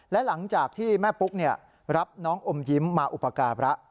และหลังจากที่แม่ปุ๊กรับน้องอมยิ้มมาอุปการะ